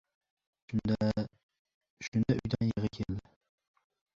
Shunda... shunda, uydan yig‘i keldi: